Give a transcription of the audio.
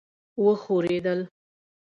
وښورېدل.